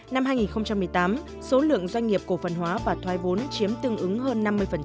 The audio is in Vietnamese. năm hai nghìn một mươi tám số lượng doanh nghiệp cổ phần hóa và thoái vốn chiếm tương ứng hơn năm mươi